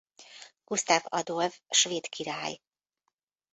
Gusztáv Adolf svéd király.